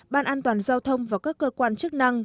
ban an toàn giao thông và các cơ quan chức năng